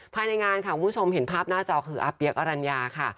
ภายในงานค่ะคุณผู้ชมเห็นภาพหน้าจอคืออาเปี๊ยกอรัญญาค่ะ